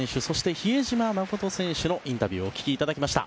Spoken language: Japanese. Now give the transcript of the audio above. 比江島慎選手のインタビューをお聞きいただきました。